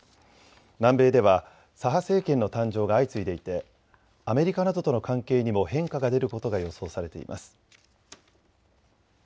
南米では左派政権の誕生が相次いでいてアメリカなどとの関係にも変化が出ることが予想されています。